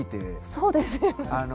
そうですよね。